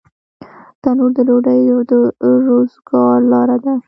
تنور د ډوډۍ د روزګار لاره ده